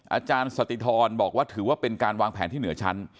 อาจารย์สติธรบอกว่าถือว่าเป็นการวางแผนที่เหนือชั้น